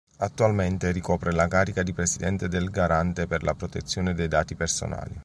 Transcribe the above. Attualmente ricopre la carica di Presidente del Garante per la protezione dei dati personali.